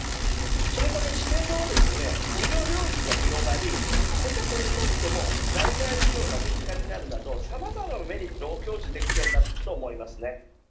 そのため、資生堂は事業領域が広がり顧客にとっても内外美容が身近になるなどさまざまなメリットを享受できるようになると思います。